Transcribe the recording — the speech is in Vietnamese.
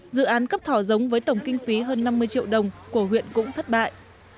dự án cấp thỏ giống với tổng kinh phí hơn năm mươi triệu đồng của huyện cũng thất bại